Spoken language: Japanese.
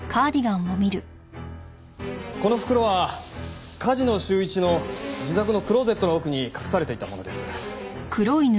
この袋は梶野修一の自宅のクローゼットの奥に隠されていたものです。